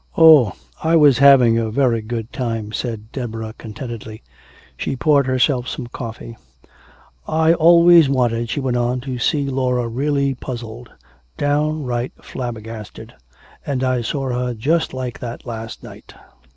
"Oh, I was having a very good time," said Deborah contentedly. She poured herself some coffee. "I've always wanted," she went on, "to see Laura really puzzled downright flabbergasted. And I saw her just like that last night."